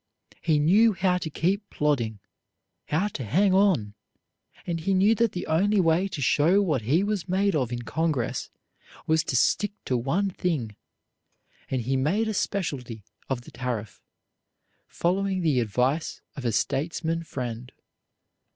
He knew how to keep plodding, how to hang on, and he knew that the only way to show what he was made of in Congress was to stick to one thing, and he made a specialty of the tariff, following the advice of a statesman friend.